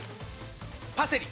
パセリ。